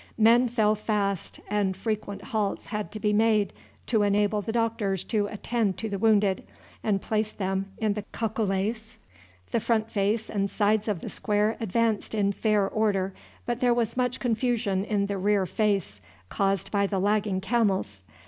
Men fell fast, and frequent halts had to be made to enable the doctors to attend to the wounded, and place them in the cacolets. The front face and sides of the square advanced in fair order, but there was much confusion in the rear face, caused by the lagging camels.